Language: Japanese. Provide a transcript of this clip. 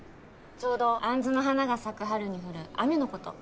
ちょうど杏の花が咲く春に降る雨のこと